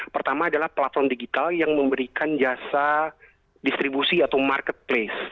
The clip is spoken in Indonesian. pertama adalah platform digital yang memberikan jasa distribusi atau marketplace